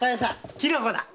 キノコだ！